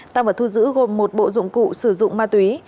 tăng vật thu giữ gồm một bộ dụng cụ sử dụng ma túy